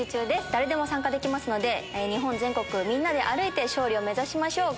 誰でも参加できますので日本全国みんなで歩いて勝利を目指しましょう。